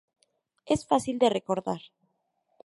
Es fácil de recordar".